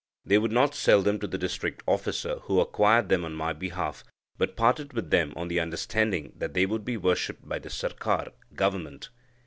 They would not sell them to the district officer who acquired them on my behalf, but parted with them on the understanding that they would be worshipped by the Sirkar (Government).